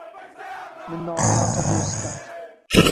Min nameya te doh stend.